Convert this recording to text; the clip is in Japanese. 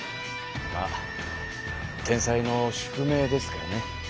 まあ天才の宿命ですかね。